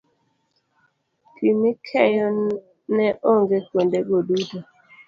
Pi mikeyo ne onge kuondego duto